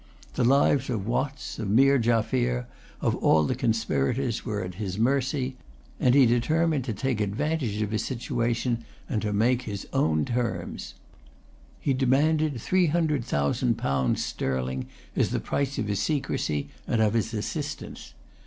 The lives of Watts, of Meer Jaffier of all the conspirators, were at his mercy; and he determined to take advantage of his situation and to make his own terms. He demanded three hundred thousand pounds sterling as the price of his secrecy and of his assistance.